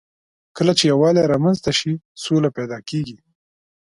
کله چې یووالی رامنځ ته شي، سوله پيدا کېږي.